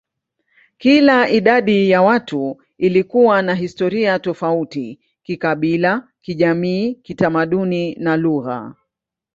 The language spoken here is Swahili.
Kila idadi ya watu ilikuwa na historia tofauti kikabila, kijamii, kitamaduni, na lugha.